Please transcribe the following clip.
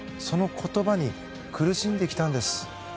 その言葉に苦しんできたんです。